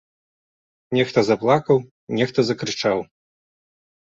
Нехта заплакаў, нехта закрычаў.